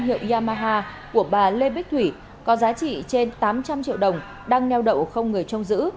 hiệu yamaha của bà lê bích thủy có giá trị trên tám trăm linh triệu đồng đang neo đậu không người trông giữ